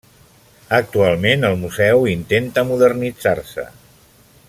Actualment, el museu intenta modernitzar-se.